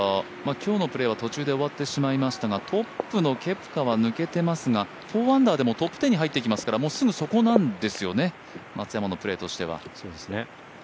今日のプレーは途中で終わってしまいましたがトップのケプカは抜けていますが４アンダーでもトップ１０に入ってきますからもうすぐそこなんですよね、松山のプレーとしては。